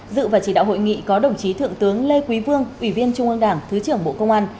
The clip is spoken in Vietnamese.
dự và chỉ đạo hội nghị có đồng chí thượng tướng lê quý vương ủy viên trung ương đảng thứ trưởng bộ công an